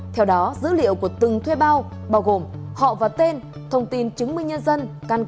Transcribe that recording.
theo đó dữ liệu của từng thuê bao bao gồm họ và tên thông tin chứng minh nhân dân